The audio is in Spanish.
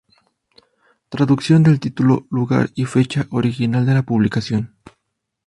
Traducción del título, lugar y fecha original de publicación.